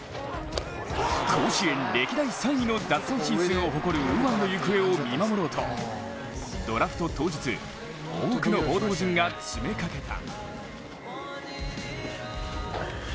甲子園歴代３位の奪三振数を誇る右腕の行方を見守ろうとドラフト当日多くの報道陣が詰めかけた。